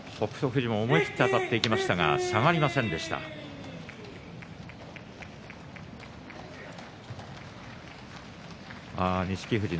富士も思い切ってあたっていきましたが下がりませんでした、錦富士。